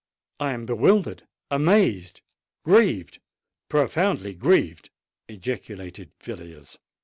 "I am bewildered—amazed—grieved—profoundly grieved!" ejaculated Villiers.